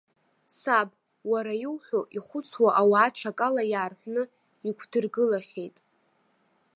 Саб, уара иуҳәо ихәыцуа ауаа аҽакала иаарҳәны иқәдыргылахьеит.